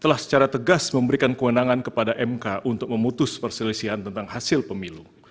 telah secara tegas memberikan kewenangan kepada mk untuk memutus perselisihan tentang hasil pemilu